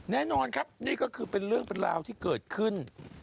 แน่นอนครับนี่ก็คือเป็นเรื่องเป็นราวที่เกิดขึ้น